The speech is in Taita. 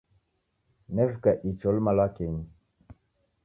Nevika icho luma lwakenyi.